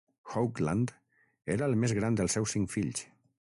Hoagland era el més gran dels seus cinc fills.